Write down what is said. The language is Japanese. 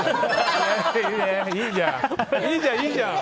いいじゃん。